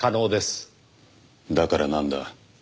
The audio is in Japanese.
だからなんだ？